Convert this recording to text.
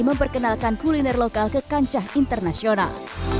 memperkenalkan kuliner lokal ke kancah internasional